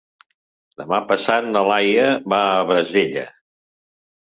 Demà passat na Laia va a Bassella.